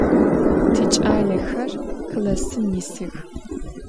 Tiç'alexer klassım yisıx.